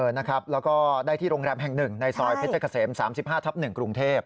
แล้วก็ได้ที่โรงแรมแห่งหนึ่งในซอยเพชรเกษม๓๕ทับ๑กรุงเทพ